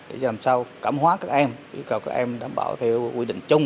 để làm sao cảm hóa các em yêu cầu các em đảm bảo theo quy định chung